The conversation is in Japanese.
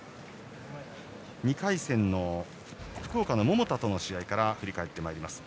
２回戦の福岡の百田との試合から振り返ります。